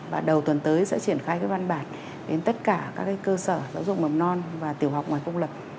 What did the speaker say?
và đầu tuần tới sẽ triển khai văn bản đến tất cả các cơ sở giáo dục mầm non và tiểu học ngoài công lập